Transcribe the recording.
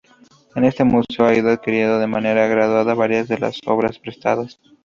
Este museo ha ido adquiriendo de manera gradual varias de las obras prestadas.